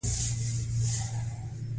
پیل د هغه ذات په نامه کوم.